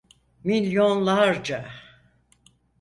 Milyonlarca.